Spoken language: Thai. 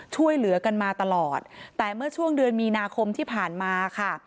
ช่วยเหลือกันมาตลอดแต่เมื่อช่วงเดือนมีนาคมที่ผ่านมาค่ะ